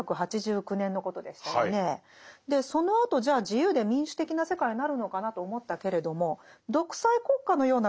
そのあとじゃあ自由で民主的な世界になるのかなと思ったけれども独裁国家のような強権的政治体制ってなくなってないですよね。